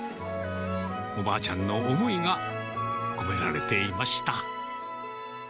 おばあちゃんの思いが込められていました。